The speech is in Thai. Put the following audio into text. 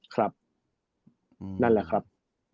ครับนั่นแหละครับ